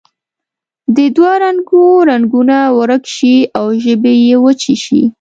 د دوه رنګو رنګونه ورک شي او ژبې یې وچې شي.